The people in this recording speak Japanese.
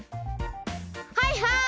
はいはい！